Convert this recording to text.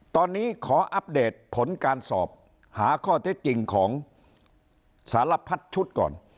ตอนนี้ขออัปเดตผลการสอบหาข้อเท็จจริงของสารพัดชุดก่อน